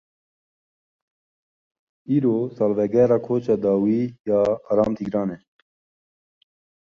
Îro salvegera koça dawî ya Aram Tîgran e.